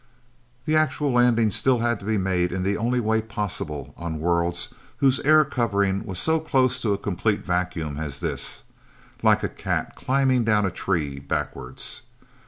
The actual landing still had to be made in the only way possible on worlds whose air covering was so close to a complete vacuum as this like a cat climbing down a tree backwards.